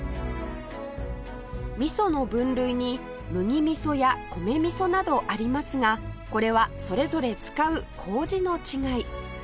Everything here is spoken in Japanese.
みその分類に麦みそや米みそなどありますがこれはそれぞれ使う麹の違い